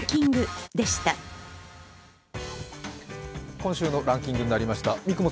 今週のランキングになりました。